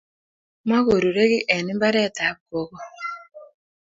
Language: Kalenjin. MakurureI kiy mbaret ab kogo